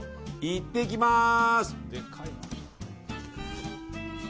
いってきます！